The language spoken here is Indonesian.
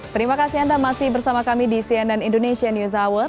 terima kasih anda masih bersama kami di cnn indonesia news hour